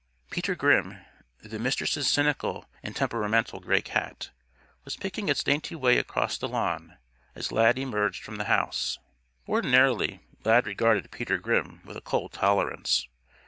Peter Grimm, the Mistress's cynical and temperamental gray cat, was picking its dainty way across the lawn as Lad emerged from the house. Ordinarily, Lad regarded Peter Grimm with a cold tolerance.